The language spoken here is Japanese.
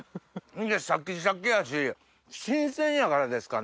シャキシャキやし新鮮やからですかね